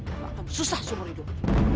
yang akan susah seumur hidup